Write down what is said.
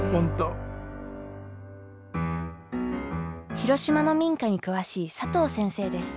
広島の民家に詳しい佐藤先生です。